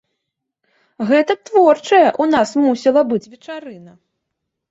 Гэта творчая ў нас мусіла быць вечарына.